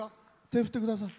手、振ってください。